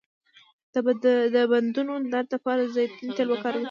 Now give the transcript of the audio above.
د بندونو درد لپاره د زیتون تېل وکاروئ